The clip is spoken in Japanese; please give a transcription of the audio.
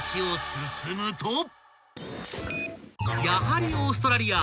［やはりオーストラリア。